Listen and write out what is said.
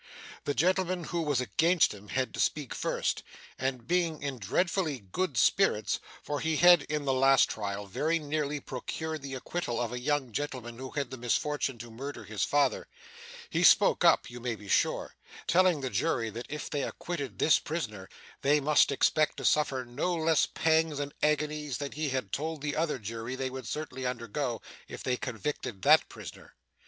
The gentleman who was against him had to speak first, and being in dreadfully good spirits (for he had, in the last trial, very nearly procured the acquittal of a young gentleman who had had the misfortune to murder his father) he spoke up, you may be sure; telling the jury that if they acquitted this prisoner they must expect to suffer no less pangs and agonies than he had told the other jury they would certainly undergo if they convicted that prisoner.